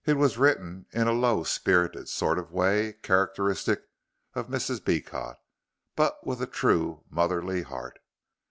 It was written in a low spirited sort of way, characteristic of Mrs. Beecot, but with a true motherly heart.